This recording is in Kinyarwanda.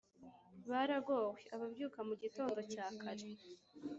Baragowe! Ababyuka mu gitondo cya kare,